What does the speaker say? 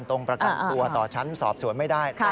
ประกันตัวต่อชั้นสอบสวนไม่ได้